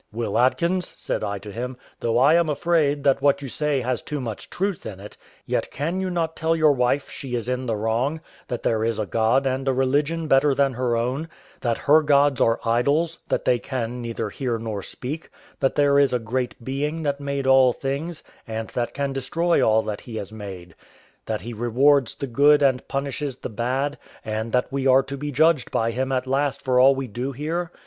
"Will Atkins," said I to him, "though I am afraid that what you say has too much truth in it, yet can you not tell your wife she is in the wrong; that there is a God and a religion better than her own; that her gods are idols; that they can neither hear nor speak; that there is a great Being that made all things, and that can destroy all that He has made; that He rewards the good and punishes the bad; and that we are to be judged by Him at last for all we do here?